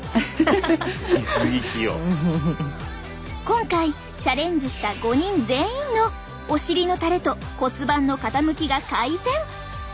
今回チャレンジした５人全員のお尻のたれと骨盤の傾きが改善。